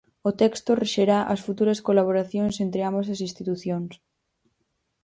O texto rexerá as futuras colaboracións entre ambas as institucións.